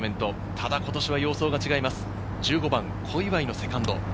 ただ今年は様相が違います、１５番、小祝のセカンド。